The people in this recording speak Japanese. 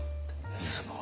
すごい。